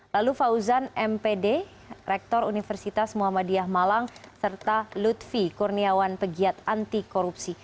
lalu fauzan mpd rektor universitas muhammadiyah malang serta lutfi kurniawan pegiat anti korupsi